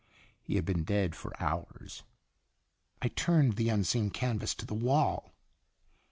He had been dead for hours ! I turned the unseen canvas to the wall.